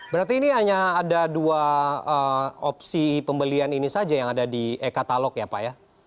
berarti ini hanya ada dua opsi pembelian ini saja yang ada di e katalog ya pak ya